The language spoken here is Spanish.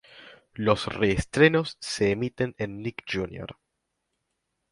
Los reestrenos se emiten en Nick Jr.